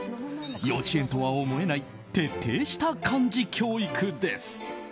幼稚園とは思えない徹底した漢字教育です。